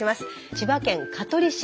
千葉県香取市。